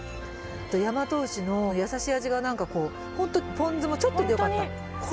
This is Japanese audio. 大和牛の優しい味が何かこうポン酢もちょっとでよかった。